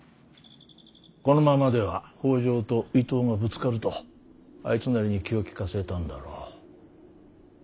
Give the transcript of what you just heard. このままでは北条と伊東がぶつかるとあいつなりに気を利かせたんだろう。